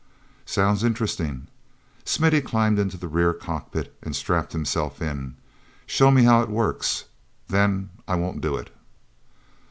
"Sounds interesting." Smithy climbed into the rear cockpit and strapped himself in. "Show me how it works, then I won't do it."